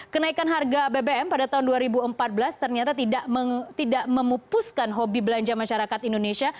kenaikan harga bbm pada tahun dua ribu empat belas ternyata tidak memupuskan hobi belanja masyarakat indonesia